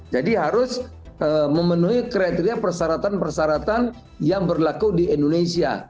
jadi harus memenuhi kriteria persyaratan persyaratan yang berlaku di indonesia